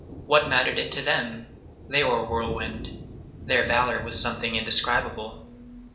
What mattered it to them? They were a whirlwind. Their valor was something indescribable.